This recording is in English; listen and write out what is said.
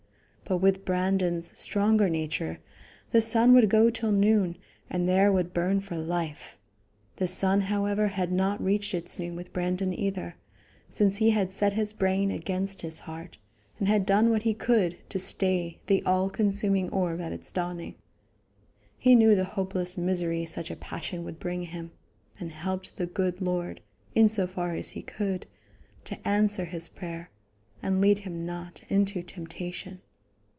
But with Brandon's stronger nature the sun would go till noon and there would burn for life. The sun, however, had not reached its noon with Brandon, either; since he had set his brain against his heart, and had done what he could to stay the all consuming orb at its dawning. He knew the hopeless misery such a passion would bring him, and helped the good Lord, in so far as he could, to answer his prayer, and lead him not into temptation.